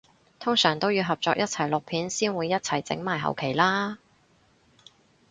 通常都要合作一齊錄片先會一齊整埋後期啦？